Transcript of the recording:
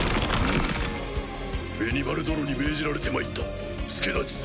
ベニマル殿に命じられて参った助太刀する。